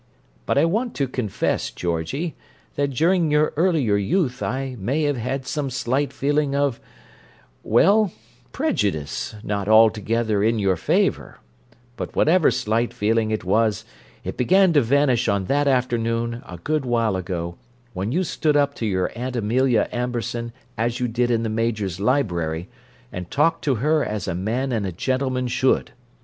But I want to confess, Georgie, that during your earlier youth I may have had some slight feeling of—well, prejudice, not altogether in your favour; but whatever slight feeling it was, it began to vanish on that afternoon, a good while ago, when you stood up to your Aunt Amelia Amberson as you did in the Major's library, and talked to her as a man and a gentleman should.